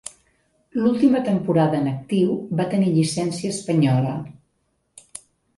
L'última temporada en actiu va tenir llicència espanyola.